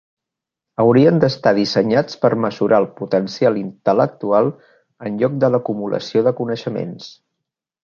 Haurien d'estar dissenyats per mesurar el potencial intel·lectual en lloc de l'acumulació de coneixements.